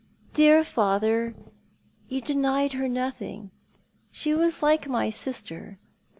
"Dear father, you denied her nothing; she was like my sister.